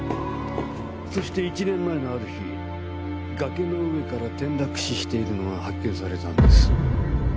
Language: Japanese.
そして１年前のある日崖の上から転落死しているのが発見されたんです。